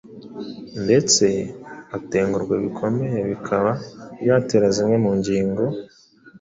ndetse agatengurwa bikomeye bikaba byatera zimwe mu ngingo